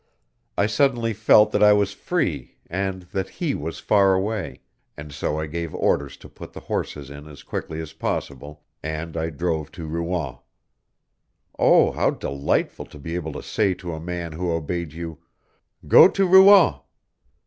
I suddenly felt that I was free and that he was far away, and so I gave orders to put the horses in as quickly as possible, and I drove to Rouen. Oh! How delightful to be able to say to a man who obeyed you: "Go to Rouen!"